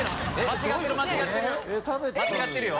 間違ってるよ。